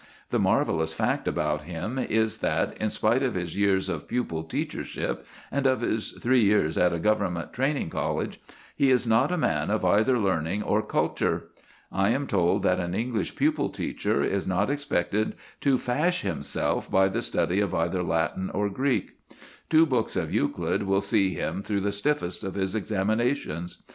The marvellous fact about him is that, in spite of his years of pupil teachership and of his three years at a Government training college, he is not a man of either learning or culture. I am told that an English pupil teacher is not expected to fash himself by the study of either Latin or Greek. Two books of Euclid will see him through the stiffest of his examinations.